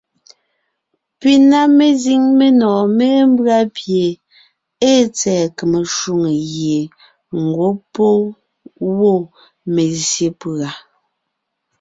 Pi na mezíŋ menɔ̀ɔn mémbʉ́a pie ée tsɛ̀ɛ kème shwòŋo gie ńgwɔ́ pɔ́ wɔ́ mezsyé pùa.